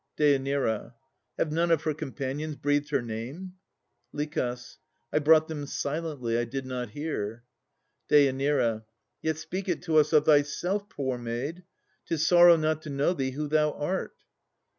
DÊ. Have none of her companions breathed her name? LICH. I brought them silently. I did not hear. DÊ. Yet speak it to us of thyself, poor maid! 'Tis sorrow not to know thee who thou art.